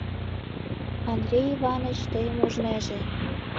Андрей Иваныч тыйым ужнеже